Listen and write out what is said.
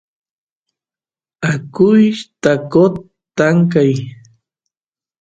akuyshtaqot tankay